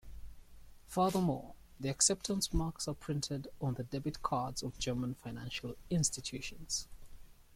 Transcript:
Furthermore, the acceptance marks are printed on the debit cards of German financial institutions.